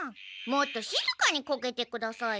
もっとしずかにこけてください。